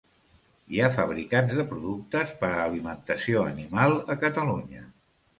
Hi ha fabricants de productes per a alimentació animal a Catalunya.